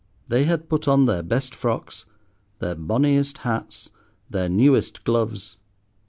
They had put on their best frocks, their bonniest hats, their newest gloves.